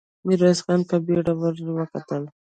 ميرويس خان په بېړه ور وکتل.